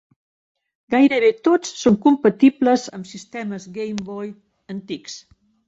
Gairebé tots són compatibles amb sistemes Game Boy antics.